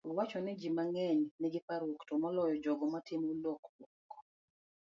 owacho ni ji mang'eny nigi parruok, to moloyo jogo matimo lokruokgo.